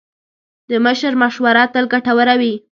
د مشر مشوره تل ګټوره وي.